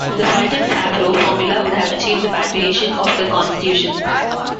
The Fulton-Favreau formula would have achieved the patriation of the Constitution.